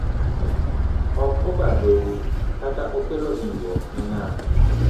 Okobadhou kata okelo hinyruok ne ngato.